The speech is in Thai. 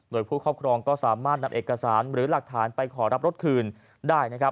โดยผู้ครอบครองก็สามารถนำเอกสารหรือหลักฐานไปขอรับรถคืนได้นะครับ